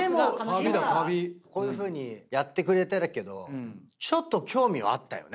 今こういうふうにやってくれてるけどちょっと興味はあったよね。